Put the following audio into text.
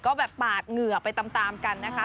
ก็แบบปาดเหงื่อไปตามกันนะคะ